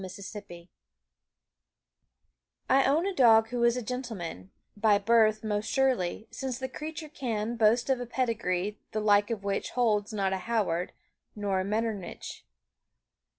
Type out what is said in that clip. MY GENTLEMAN I own a dog who is a gentleman; By birth most surely, since the creature can Boast of a pedigree the like of which Holds not a Howard nor a Metternich.